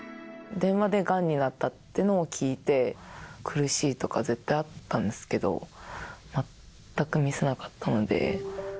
電話でがんになったというのを聞いて、苦しいとか絶対あったんですけど、全く見せなかったので。